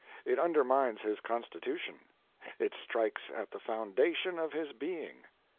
It undermines his constitution; it strikes at the foundation of his being.